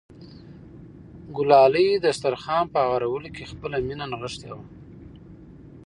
ګلالۍ د دسترخوان په هوارولو کې خپله مینه نغښتې وه.